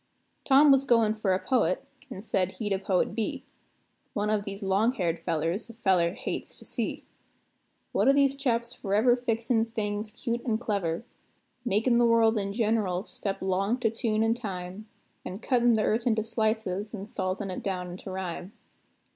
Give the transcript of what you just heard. Tom was goin' for a poet, an' said he'd a poet be; One of these long haired fellers a feller hates to see; One of these chaps forever fixin' things cute and clever; Makin' the world in gen'ral step 'long to tune an' time, An' cuttin' the earth into slices an' saltin' it down into rhyme.